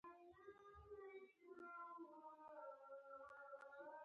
په دې لويه ونه باندي راګرځېدلې وې